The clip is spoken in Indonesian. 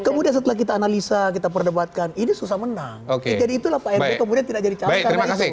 kemudian setelah kita analisa kita perdebatkan ini susah menang jadi itulah pak arb kemudian tidak jadi calon karena itu